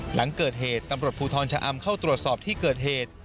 หลังเกิดเหตุตำรวจภูทรชะอำเข้าตรวจสอบที่เกิดเหตุ